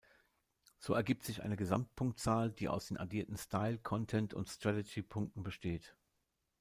So ergibt sich eine Gesamtpunktzahl, die aus den addierten Style-, Content- und Strategy-Punkten besteht.